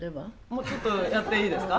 もうちょっとやっていいですか？